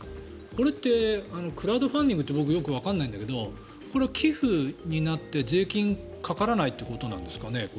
これってクラウドファンディングって僕よくわからないんだけどこれは寄付になって税金がかからないってことなんですかね？